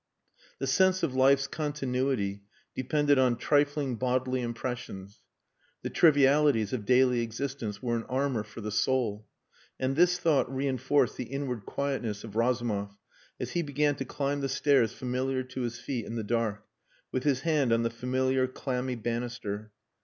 The sense of life's continuity depended on trifling bodily impressions. The trivialities of daily existence were an armour for the soul. And this thought reinforced the inward quietness of Razumov as he began to climb the stairs familiar to his feet in the dark, with his hand on the familiar clammy banister.